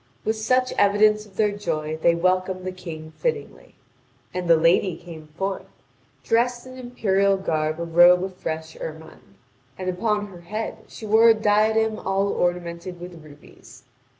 With such evidence of their joy, they welcome the King fittingly. And the Lady came forth, dressed in imperial garb a robe of fresh ermine and upon her head she wore a diadem all ornamented with rubies.